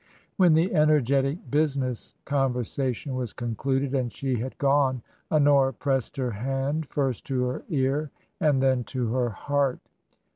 When the energetic business conversation was con cluded and she had gone, Honora pressed her hand first to her ear and then to her heart.